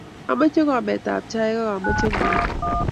Amoche kombet ap chaik ak amache nguni.